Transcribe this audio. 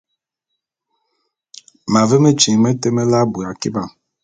M’ave metyiŋ mete meláe abui akiba.